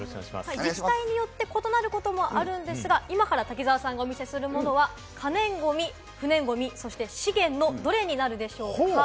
自治体によって異なることもあるんですが、今から滝沢さんがお見せするものは可燃ごみ、不燃ごみ、そして資源のどれになるでしょうか？